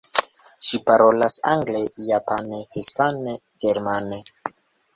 Ŝi parolas angle, japane, hispane, germane.